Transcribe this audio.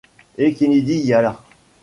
Et Kennedy y alla.